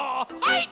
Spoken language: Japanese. はい！